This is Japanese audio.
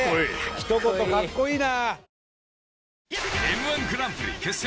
ひと言かっこいいな！